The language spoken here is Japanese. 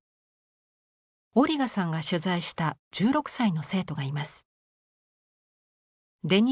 オリガさんが取材した１６歳の生徒がいます。